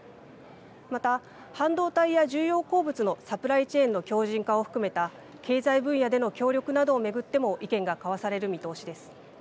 また半導体や重要鉱物のサプライチェーンの強じん化を含めた経済分野での協力などを巡っても意見が交わされる見通しです。